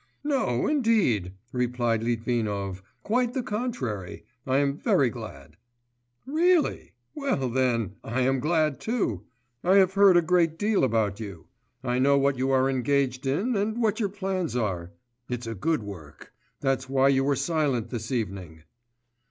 'No, indeed,' replied Litvinov; 'quite the contrary, I am very glad.' 'Really? Well, then, I am glad too. I have heard a great deal about you; I know what you are engaged in, and what your plans are. It's a good work. That's why you were silent this evening.